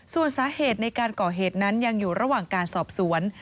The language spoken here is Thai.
ส่วนสาเหตุในการก่อเหตุนั้นยังอยู่ระหว่างการสอบสวน